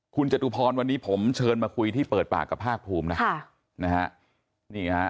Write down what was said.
คุณจตุพรวันนี้ผมเชิญมาคุยที่เปิดปากกับภาคภูมินะ